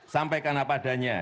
sampaikan apa adanya